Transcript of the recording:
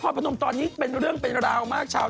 พนมตอนนี้เป็นเรื่องเป็นราวมากชาว